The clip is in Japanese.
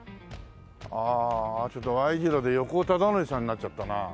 ああちょっとＹ字路で横尾忠則さんになっちゃったな。